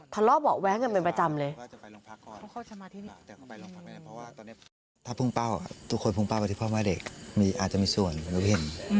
ทะเลาะบอกแวะเงินเป็นประจำเลย